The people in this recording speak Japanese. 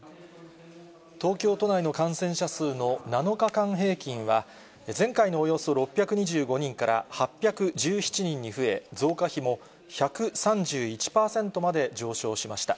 東京都内の感染者数の７日間平均は、前回のおよそ６２５人から８１７人に増え、増加比も１３１％まで上昇しました。